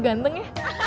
uian ganteng ya